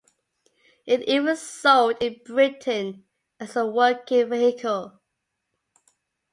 It even sold in Britain as a working vehicle.